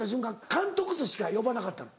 「監督」としか呼ばなかった。